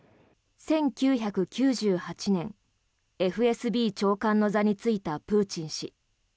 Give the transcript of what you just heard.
１９９８年ＦＳＢ長官の座に就いたプーチン氏。